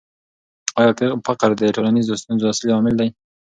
آیا فقر د ټولنیزو ستونزو اصلي لامل دی؟